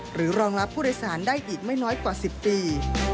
รองรับผู้โดยสารได้อีกไม่น้อยกว่า๑๐ปี